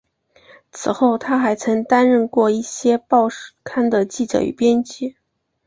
此后他还曾担任过一些报刊的记者与编辑。